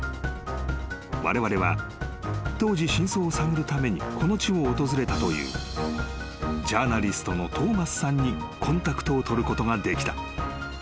［われわれは当時真相を探るためにこの地を訪れたというジャーナリストのトーマスさんにコンタクトを取ることができた］